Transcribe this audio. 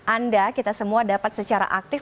anda kita semua dapat secara aktif